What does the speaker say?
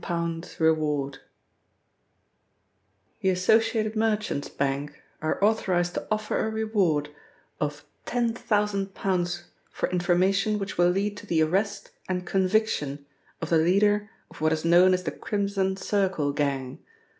— £10,000 REWARD 'The Associated Merchants Bank are authorised to offer a reward of ten thousand pounds for information which will lead to the arrest and conviction of the leader of what is known as the Crimson Circle Gang.